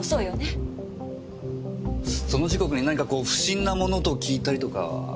その時刻に何かこう不審な物音を聞いたりとかは？